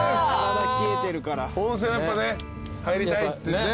温泉やっぱね入りたいってね。